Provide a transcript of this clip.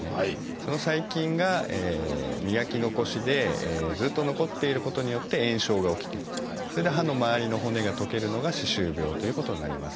その細菌が磨き残しでずっと残っていることによって炎症が起きてそれで歯の周りの骨が溶けるのが歯周病ということになります。